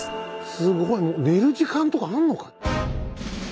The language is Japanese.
すごい寝る時間とかあんのか。